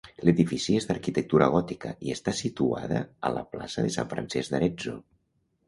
L'edifici és d'arquitectura gòtica i està situada a la plaça de Sant Francesc d'Arezzo.